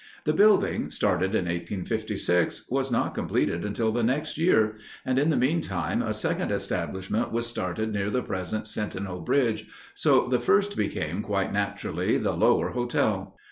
The building, started in 1856, was not completed until the next year, and in the meantime a second establishment was started near the present Sentinel Bridge, so the first became, quite naturally, the "Lower Hotel."